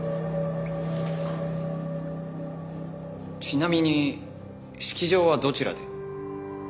ちなみに式場はどちらで？